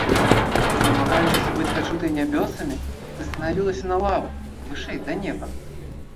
Намагаючыся быць пачутай Нябёсамі, ты станавілася на лаву, вышэй да неба.